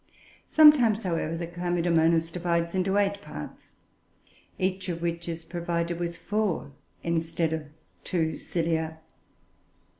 Sometimes, however, the Chlamydomonas divides into eight parts, each of which is provided with four instead of two cilia.